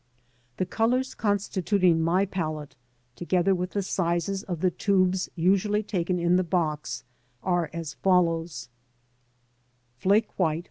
The colours constituting my palette, together with the sizes of the tubes usually taken in the box, are as follows: — Flake white* ...